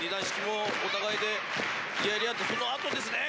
お互いでやり合ってそのあとですね。